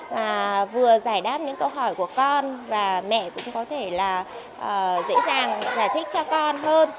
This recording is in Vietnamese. và vừa giải đáp những câu hỏi của con và mẹ cũng có thể là dễ dàng giải thích cho con hơn